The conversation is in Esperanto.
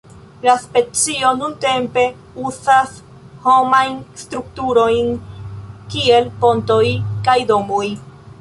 La specio nuntempe uzas homajn strukturojn kiel pontoj kaj domoj.